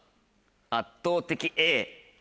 圧倒的Ａ。